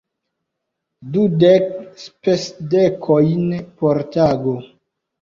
Dudek spesdekojn por tago!